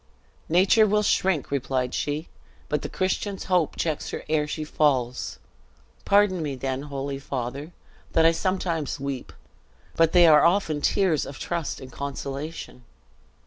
"Nature will shrink," replied she; "but the Christian's hope checks her ere she falls. Pardon me then, holy father, that I sometimes weep; but they are often tears of trust and consolation."